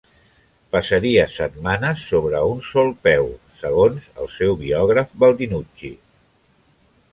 "Passaria setmanes sobre un sol peu", segons el seu biògraf Baldinucci.